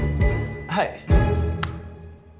はい。